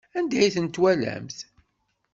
Anda ay ten-twalamt?